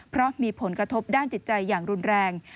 เพราะมีผลกระทบด้านจิตใจอย่างรุนแรง